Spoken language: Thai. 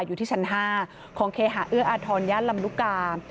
อยู่ที่ชั้น๕ของเคหาเอื้ออาทรย่านลำลูกกา